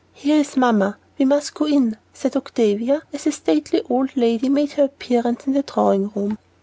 "Here is Mamma. We must go in," said Octavia, as a stately old lady made her appearance in the drawing room.